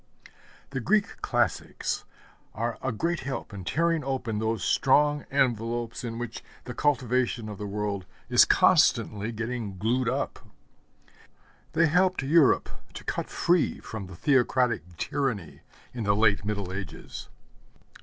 The Greek classics are a great help in tearing open those strong envelopes in which the cultivation of the world is constantly getting glued up. They helped Europe to cut free from theocratic tyranny in the late Middle Ages.